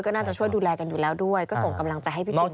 ก็น่าจะช่วยดูแลกันอยู่แล้วด้วยก็ส่งกำลังใจให้พี่ตูน